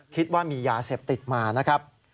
คิดว่ามียาเสพติดมานะครับ